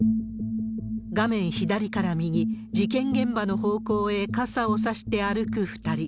画面左から右、事件現場の方向へ傘を差して歩く２人。